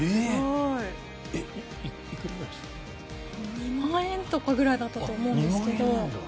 ２万円とかだったと思うんですけど。